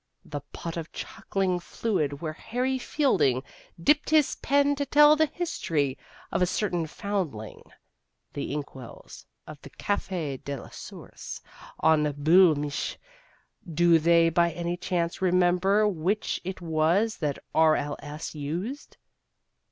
The pot of chuckling fluid where Harry Fielding dipped his pen to tell the history of a certain foundling; the ink wells of the Café de la Source on the Boul' Mich' do they by any chance remember which it was that R.L.S. used?